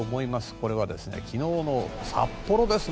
これは昨日の札幌ですね。